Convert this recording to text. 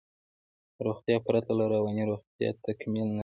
روغتیا پرته له روانی روغتیا تکمیل نده